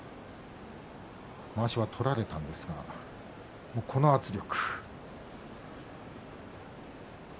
まわしは取られたんですがこの圧力。